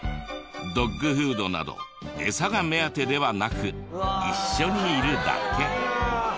ドッグフードなどエサが目当てではなく一緒にいるだけ。